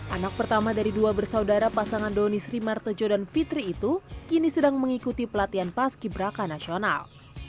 anak pertama dari dua bersaudara pasangan donisri martejo dan fitri itu kini sedang mengikuti pelatihan pas kibraka nasional